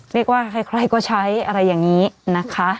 เรียกว่าใครก็ใช้อะไรอย่างนี้นะคะ